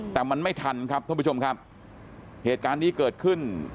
แต่มันไม่ทันครับท่านผู้ชมครับเหตุการณ์นี้เกิดขึ้น